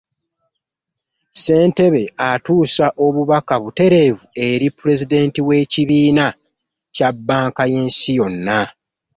Ssentebe atuusa obubaka butereevu eri pulezidenti w’ekibiina kya banka y’ensi yonna.